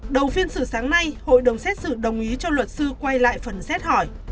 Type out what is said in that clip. đầu phiên xử sáng nay hội đồng xét xử đồng ý cho luật sư quay lại phần xét hỏi